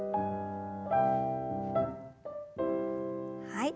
はい。